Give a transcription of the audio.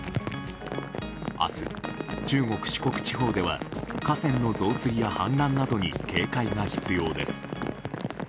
明日、中国・四国地方では河川の増水や氾濫などに警戒が必要です。